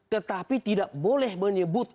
tetapi tidak boleh menyebut